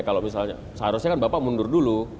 kalau misalnya seharusnya kan bapak mundur dulu